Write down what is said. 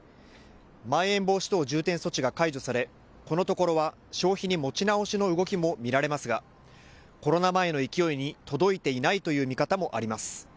まん延防止等重点措置が解除されこのところは消費に持ち直しの動きも見られますがコロナ前の勢いに届いていないという見方もあります。